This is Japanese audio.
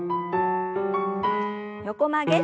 横曲げ。